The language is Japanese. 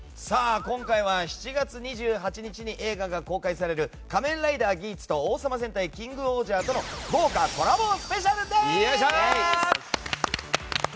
今回は７月２８日に映画が公開される「仮面ライダーギーツ」と「王様戦隊キングオージャー」との豪華コラボスペシャルです。